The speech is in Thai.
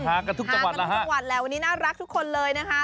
มากันทุกจังหวัดแหละวันนี้น่ารักทุกคนเลยนะคะ